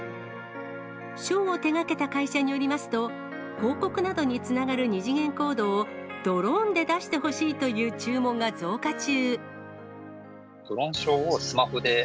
ショーを手がけた会社によりますと、広告などにつながる二次元コードを、ドローンで出してほしいという注文が増加中。